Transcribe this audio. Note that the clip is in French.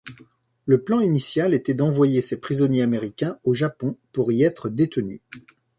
Le plan initial était d'envoyer ces prisonniers américains au Japon pour y être détenus.